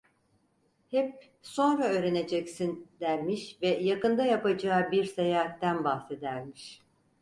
Hep: "Sonra öğreneceksin!" dermiş ve yakında yapacağı bir seyahatten bahsedermiş.